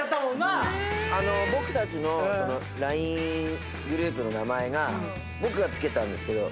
僕たちのＬＩＮＥグループの名前が僕が付けたんですけど。